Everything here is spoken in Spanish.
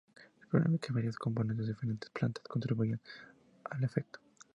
Es probable que varios componentes diferentes de la planta contribuyen al efecto.